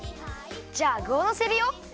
じゃあぐをのせるよ。